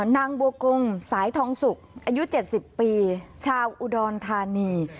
นางบัวกงสายทองสุกอายุ๗๐ปีชาวอุดรธานี